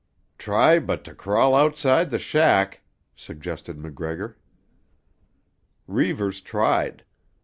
"Try but to crawl outside the shack," suggested MacGregor. Reivers tried.